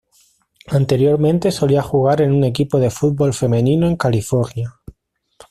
Anteriormente solía jugar en un equipo de fútbol femenino en California.